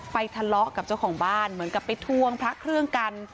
ทะเลาะกับเจ้าของบ้านเหมือนกับไปทวงพระเครื่องกัน